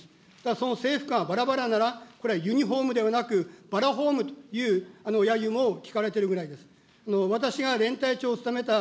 その制服がばらばらなら、これはユニホームではなく、バラホームという揶揄も聞かれているぐらいです。